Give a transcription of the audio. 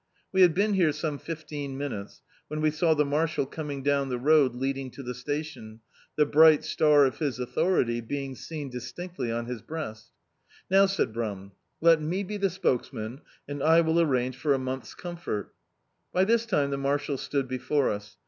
We had been here some fifteen minutes, when we saw the marshal coming down the road leading to the station, Uie bri^t star of his authority being seen distinctly <mi his breast. "Now," said Brum, "let me be the spokesman, and I will arrange for a month's canfort" By this time the marshal stood before us.